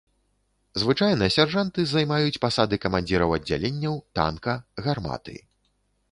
Звычайна сяржанты займаюць пасады камандзіраў аддзяленняў, танка, гарматы.